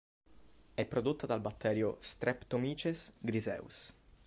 È prodotta dal batterio "Streptomyces griseus".